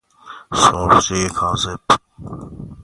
سرخجۀ کاذب